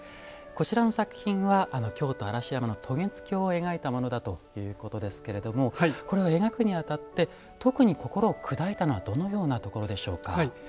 こちらの作品は京都・嵐山の渡月橋を描いたものだということですけれどもこれを描くにあたって特に心を砕いたのはどのようなところでしょうか？